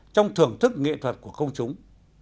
trong thưởng thức nghệ thuật của công chúng